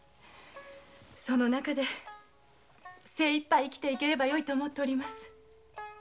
その中で精いっぱい生きていければよいと思っております。